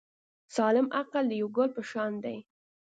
سالم عقل د یو ګل په شان دی.